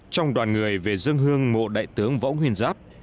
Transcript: trong đoàn người về dân hương mộ đại tướng võ nguyên giáp